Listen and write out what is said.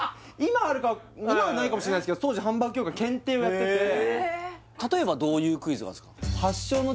今ないかもしれないけど当時ハンバーグ協会検定をやってて例えばどういうクイズなんすか？